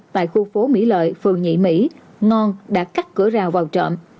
tại khu phố mỹ lợi phường nhị mỹ ngon đã cắt cửa rào vào trộm